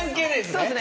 そうですね